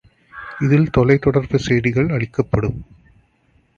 இதில் தொலைத் தொடர்புச் செய்திகள் அளிக்கப்படும்.